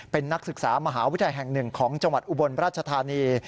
เป็นนักศึกษามหาวิทยาลัยแห่งหนึ่งของจังหวัดอุบลราชธานี